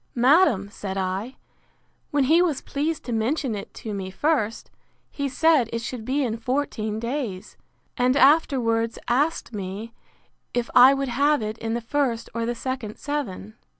—Madam, said I, when he was pleased to mention it to me first, he said it should be in fourteen days; and afterwards, asked me if I would have it in the first or the second seven?